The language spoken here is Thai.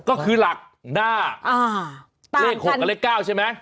ก็คือหลักหน้าเลข๖กับเลข๙ใช่ไหม